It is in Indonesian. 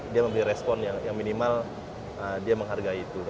dia memberi respon yang minimal dia menghargai itu